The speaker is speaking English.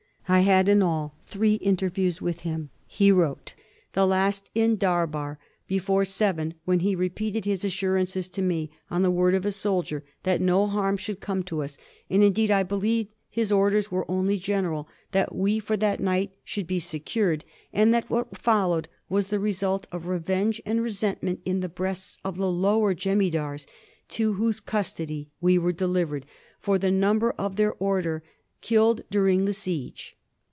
I had in all three interviews with him,'* he wrote, " the last in Dar bar before seven, when he repeated his assurances to me, on the word of a soldier, that no harm should come to us; and, indeed, I believe his orders were only general that we for that night should be secured, and that what fol lowed was the result of revenge and resentment in the breasts of the lower jemidars to whose custody we were delivered for the number of their order killed during the siege."